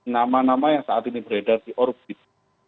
nama nama yang saat ini beredar di orbit